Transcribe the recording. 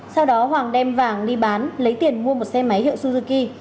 sau đó hoàng đem vàng đi bán lấy tiền mua một xe máy hiệu suzuki